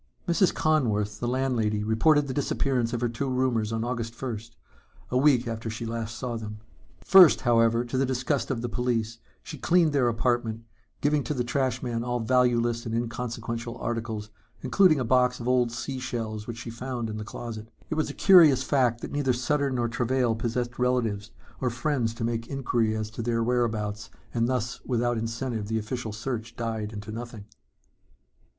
Mrs. Conworth, the landlady, reported the disappearance of her two roomers on August first, a week after she last saw them. First, however, to the disgust of the police, she cleaned their apartment, giving to the trash man all valueless and inconsequential articles, including a box of old sea shells which she found in the closet. It was a curious fact that neither Sutter nor Travail possessed relatives or friends to make inquiry as to their whereabouts and thus without incentive the official search died into nothing.